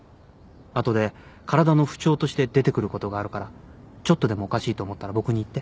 後で体の不調として出てくることがあるからちょっとでもおかしいと思ったら僕に言って。